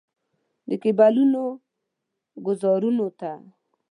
د کیبلونو ګوزارونو ته.